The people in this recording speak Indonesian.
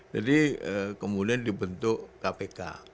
jadi kemudian dibentuk kpk